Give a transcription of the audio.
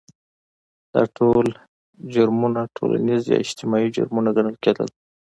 دا ټول جرمونه ټولنیز یا اجتماعي جرمونه ګڼل کېدل.